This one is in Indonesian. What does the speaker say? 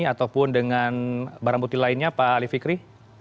ataupun dengan barang bukti lainnya pak ali fikri